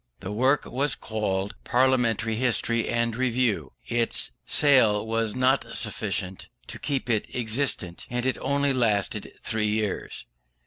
The work was called Parliamentary History and Review. Its sale was not sufficient to keep it in existence, and it only lasted three years.